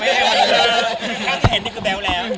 ถ้าแข่งมันก็แบ๊วแล้ว